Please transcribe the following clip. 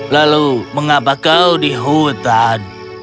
lalu mengapa kau di hutan